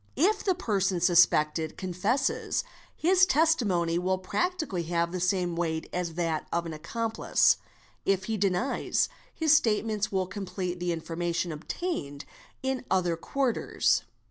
— If the person suspected confesses, his testimony will practically have the same weight as that of an accomplice; if he denies, his statements will complete the information obtained in other quarters.